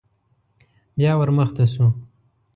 بيا ور مخته شو.